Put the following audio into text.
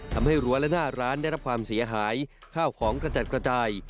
รั้วและหน้าร้านได้รับความเสียหายข้าวของกระจัดกระจาย